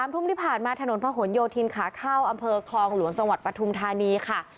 ทุ่มที่ผ่านมาถนนพระหลโยธินขาเข้าอำเภอคลองหลวงจังหวัดปฐุมธานีค่ะ